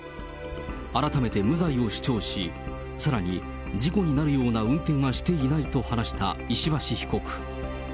改めて無罪を主張し、さらに事故になるような運転はしていないと話した石橋被告。